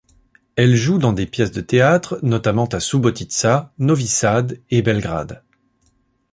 Elle joue dans des pièces de théâtres notamment à Subotica, Novi Sad et Belgrade.